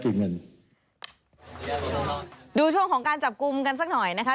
ดูช่วงของการจับกลุ่มกันสักหน่อยนะคะ